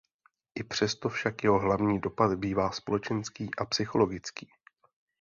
I přesto však jeho hlavní dopad bývá společenský a psychologický.